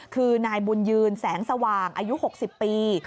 คือนายบุญยืนแสงสว่างอายุ๖๐ปี